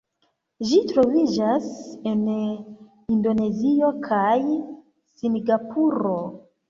Ĝi troviĝas en Indonezio kaj Singapuro.